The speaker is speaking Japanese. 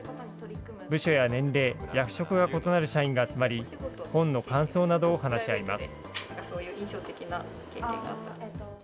部署や年齢、役職が異なる社員が集まり、本の感想などを話し合います。